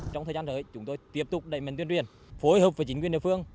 trong thời gian tới chúng tôi tiếp tục đẩy mạnh tuyên truyền phối hợp với chính quyền địa phương